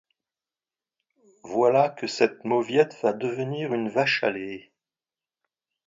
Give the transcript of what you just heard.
Voilà que cette mauviette va devenir une vache à lait.